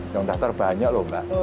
yang daftar banyak loh mbak